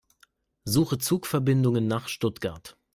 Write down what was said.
Suche Zugverbindungen nach Stuttgart.